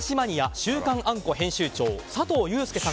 「週刊あんこ」編集長さとう祐介さん